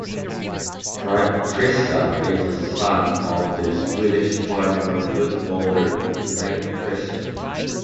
Prica is the son of the Swedish former footballer Rade Prica.